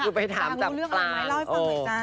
คุณไปถามจากป้างอ้าว